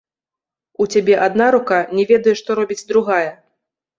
У цябе адна рука не ведае, што робіць другая.